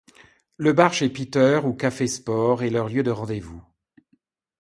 Le bar chez Peter ou Café Sport est leur lieu de rendez-vous.